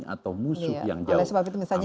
atau musuh yang jauh amerika seputunya